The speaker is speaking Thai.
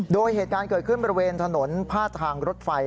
โดยเหตุการณ์เกิดขึ้นบริเวณถนนพาดทางรถไฟ